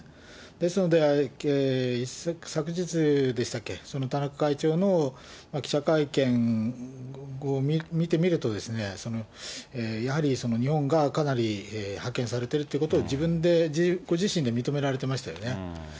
ですので、昨日でしたっけ、その田中会長の記者会見を見てみると、やはり日本がかなり派遣されているということを、自分で、ご自身で認められてましたよね。